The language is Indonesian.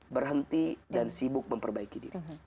berhenti dan sibuk memperbaiki diri